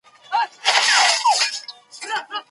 شاه حسين هوتک د خپل اشعارو له لارې د ادب د ودې هڅه کوله.